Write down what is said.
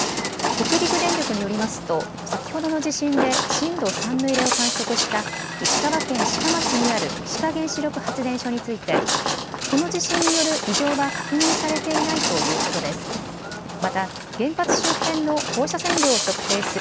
北陸電力によりますと先ほどの地震で震度３の揺れを観測した石川県志賀町にある志賀原子力発電所についてこの地震による異常は確認されていないということです。